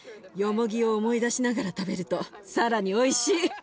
よもぎを思い出しながら食べると更においしい。